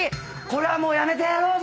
これはもうやめてやろうぜ。